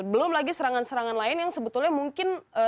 belum lagi serangan serangan lain yang sebetulnya mungkin